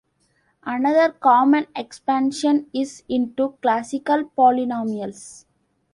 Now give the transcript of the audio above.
Another common expansion is into classical polynomials.